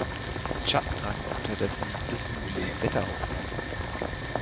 Die Chatten drangen unterdessen bis in die Wetterau vor.